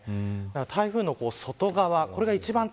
台風の外側